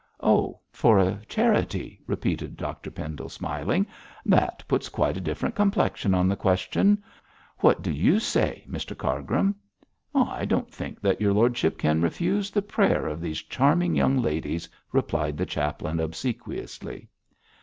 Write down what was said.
'Oh, for a charity,' repeated Dr Pendle, smiling; 'that puts quite a different complexion on the question. What do you say, Mr Cargrim?' 'I don't think that your lordship can refuse the prayer of these charming young ladies,' replied the chaplain, obsequiously.